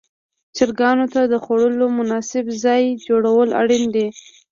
چرګانو ته د خوړلو مناسب ځای جوړول اړین دي.